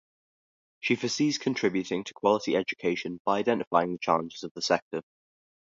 She foresees contributing to quality education by identifying the challenges of the sector.